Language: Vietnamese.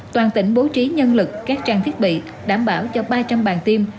toàn tỉnh bố trí nhân lực các trang thiết bị đảm bảo cho ba trăm linh bàn tiêm